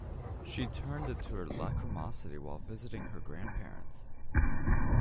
She turned into her lachrymosity while visiting her grandparents.